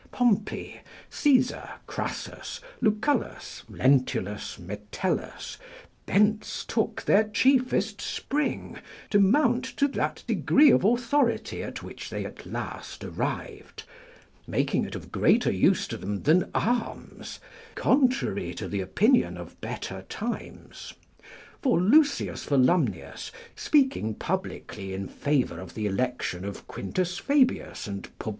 Pompey, Caesar, Crassus, Lucullus, Lentulus, Metellus, thence took their chiefest spring, to mount to that degree of authority at which they at last arrived, making it of greater use to them than arms, contrary to the opinion of better times; for, L. Volumnius speaking publicly in favour of the election of Q. Fabius and Pub.